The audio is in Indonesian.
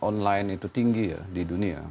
online itu tinggi ya di dunia